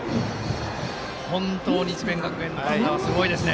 本当に智弁学園の打力はすごいですね。